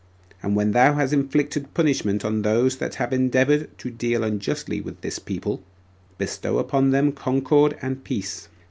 And when thou hast inflicted punishment on those that have endeavored to deal unjustly with this people, bestow upon them concord and peace.